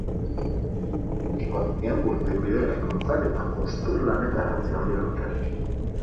Ekonomian burdinbide eraikuntzak eta jostun lanek garrantzi handia dute.